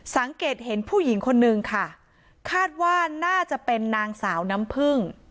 สังเกตเห็นผู้หญิงคนนึงค่ะคาดว่าน่าจะเป็นนางสาวน้ำพึ่ง